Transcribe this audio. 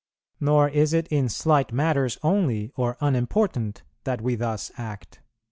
Nor is it in slight matters only or unimportant that we thus act.